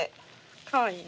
かわいいね。